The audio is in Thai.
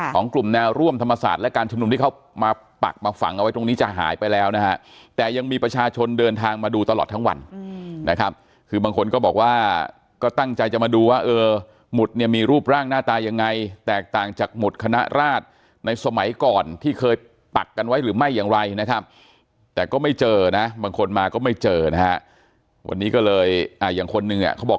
ของกลุ่มแนวร่วมธรรมศาสตร์และการชุมนุมที่เขามาปักมาฝังเอาไว้ตรงนี้จะหายไปแล้วนะฮะแต่ยังมีประชาชนเดินทางมาดูตลอดทั้งวันนะครับคือบางคนก็บอกว่าก็ตั้งใจจะมาดูว่าเออหมุดเนี่ยมีรูปร่างหน้าตายังไงแตกต่างจากหมุดคณะราชในสมัยก่อนที่เคยปักกันไว้หรือไม่อย่างไรนะครับแต่ก็ไม่เจอนะบางคนมาก็ไม่เจอนะฮะวันนี้ก็เลยอ่าอย่างคนหนึ่งเนี่ยเขาบอก